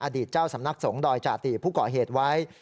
อดีตเจ้าสำนักสงฆ์ดอยจาติผู้ก่อเหตุไว้